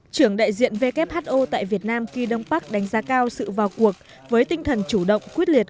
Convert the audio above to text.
trưởng đại diện who tại việt nam kỳ đông bắc đánh giá cao sự vào cuộc với tinh thần chủ động quyết liệt